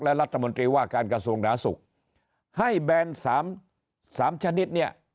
และรัฐมนตรีว่าการกระทรวงหนาสุขให้แบนสามสามชนิดเนี่ย